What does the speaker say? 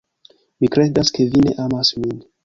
Mi kredas ke vi ne amas min.